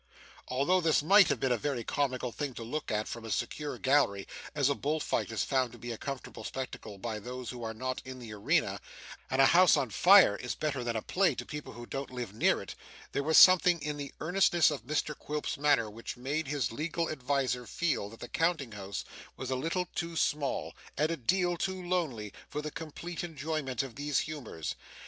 Although this might have been a very comical thing to look at from a secure gallery, as a bull fight is found to be a comfortable spectacle by those who are not in the arena, and a house on fire is better than a play to people who don't live near it, there was something in the earnestness of Mr Quilp's manner which made his legal adviser feel that the counting house was a little too small, and a deal too lonely, for the complete enjoyment of these humours.